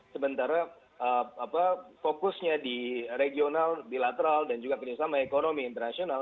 sementara fokusnya di regional bilateral dan juga kerjasama ekonomi internasional